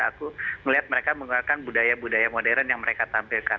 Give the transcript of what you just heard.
aku melihat mereka menggunakan budaya budaya modern yang mereka tampilkan